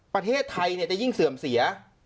ประเทศไทยจะยิ่งเสื่อมเสีย